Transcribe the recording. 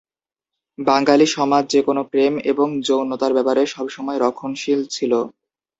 বাঙ্গালি সমাজ যে কোনো প্রেম এবং যৌনতার ব্যাপারে সবসময় রক্ষণশীল ছিলো।